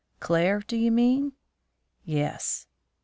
"Claire, do you mean?" "Yes."